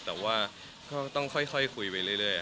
แต่ว่าก็ต้องค่อยคุยไปเรื่อย